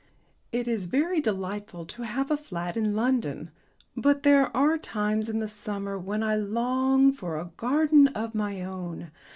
It is very delightful to have a flat in London, but there are times in the summer when I long for a garden of my own.